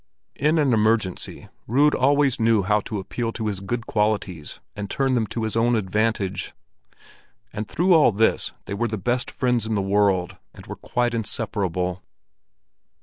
In an emergency, Rud always knew how to appeal to his good qualities and turn them to his own advantage. And through all this they were the best friends in the world, and were quite inseparable.